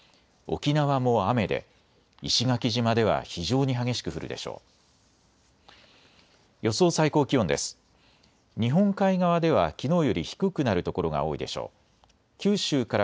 沖縄も雨で石垣島では非常に激しく降るでしょう。